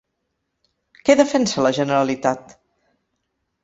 Què defensa la Generalitat?